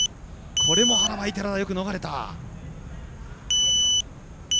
これも腹ばい、寺田よく逃れた。